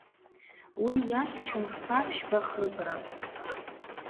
Уи иахьчон хԥа-ԥшьба хыбра.